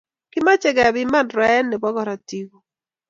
kimache kepiman rwaet nebo korotikuk